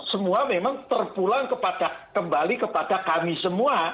semua tepuk tangan ya